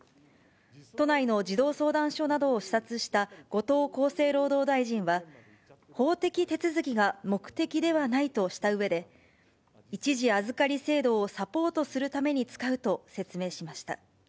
都内の児童相談所などを視察した後藤厚生労働大臣は、法的手続きが目的ではないとしたうえで、一時預かり制度をサポートするために使うと説明しました。